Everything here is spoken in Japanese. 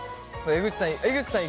江口さん